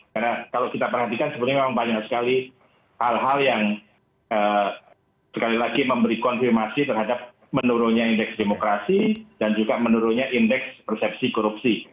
karena kalau kita perhatikan sebenarnya memang banyak sekali hal hal yang sekali lagi memberi konfirmasi terhadap menurunnya indeks demokrasi dan juga menurunnya indeks persepsi korupsi